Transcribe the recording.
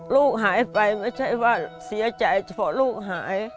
ลูกหายไปไม่ใช่ว่าเสียใจเฉพาะลูกหาย